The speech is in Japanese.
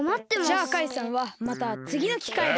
じゃあカイさんはまたつぎのきかいで。